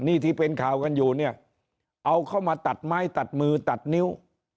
นี่ที่เป็นข่าวกันอยู่เนี่ยเอาเข้ามาตัดไม้ตัดมือตัดนิ้ว